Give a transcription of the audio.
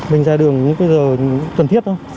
mình ra đường những cái giờ cần thiết thôi